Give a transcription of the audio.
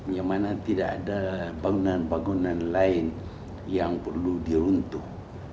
yang mana tidak ada bangunan bangunan lain yang perlu diruntuh